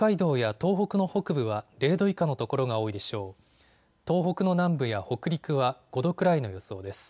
東北の南部や北陸は５度くらいの予想です。